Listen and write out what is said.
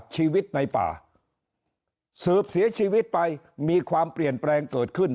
ชีวิตในป่าสืบเสียชีวิตไปมีความเปลี่ยนแปลงเกิดขึ้น